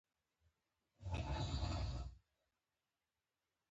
زه نه ختاوزم !